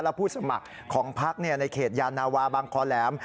และผู้สมัครของพรรคเนี่ยในเขตเยอะนาวาบางครแหลม